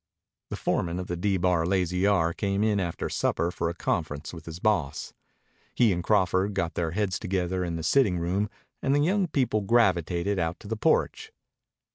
The foreman of the D Bar Lazy R came in after supper for a conference with his boss. He and Crawford got their heads together in the sitting room and the young people gravitated out to the porch.